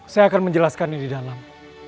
saya akan menjelaskan ini di dalam